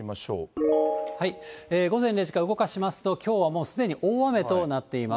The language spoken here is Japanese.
午前０時から動かしますと、きょうはもうすでに大雨となっています。